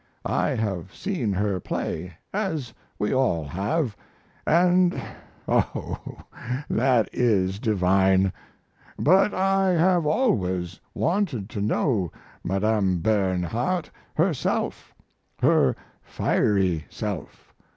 I have seen her play, as we all have, and, oh, that is divine; but I have always wanted to know Madame Bernhardt herself her fiery self.